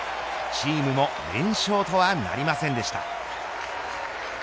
チームも連勝とはなりませんでした。